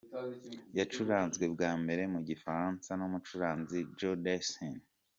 Yacuranzwe bwa mbere mu gifaransa n’umucuranzi Joe Dassin.